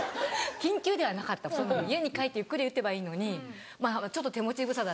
緊急ではなかった家に帰ってゆっくり打てばいいのにまぁちょっと手持ち無沙汰。